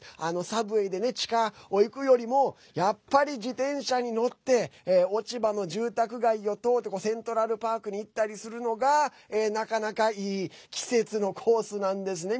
サブウェイで地下を行くよりもやっぱり自転車に乗って落ち葉の住宅街を通ってセントラルパークに行ったりするのがなかなかいい季節のコースなんですね。